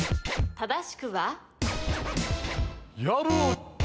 正しくは？